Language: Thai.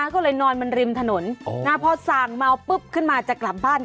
ก็เลยนอนมันริมถนนพอสั่งเมาปุ๊บขึ้นมาจะกลับบ้าน